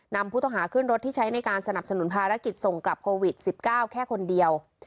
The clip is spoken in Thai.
นำผู้ต้องหาขึ้นรถที่ใช้ในการสนับสนุนภารกิจส่งกลับโควิด๑๙แค่คนเดียว